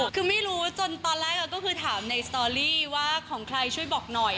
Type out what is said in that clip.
คือไม่รู้จนตอนแรกก็คือถามในสตอรี่ว่าของใครช่วยบอกหน่อย